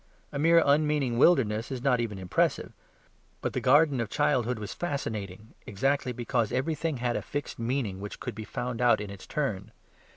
A mere unmeaning wilderness is not even impressive. But the garden of childhood was fascinating, exactly because everything had a fixed meaning which could be found out in its turn.